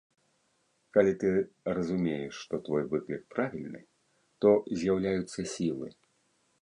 Калі ты разумееш, што твой выклік правільны, то з'яўляюцца сілы.